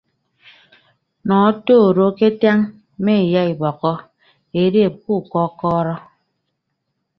Nọ oto do eketañ mme iyaibọkkọ deedeeb ku kọkọrọ.